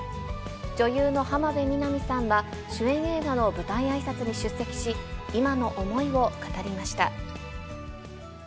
女優の浜辺美波さんは、主演映画の舞台あいさつに出席し、今の思いを語りました。